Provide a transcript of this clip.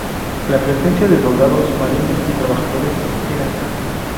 La presencia de soldados, marinos y trabajadores era escasa.